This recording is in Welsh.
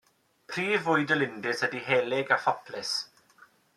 Prif fwyd y lindys ydy helyg a phoplys.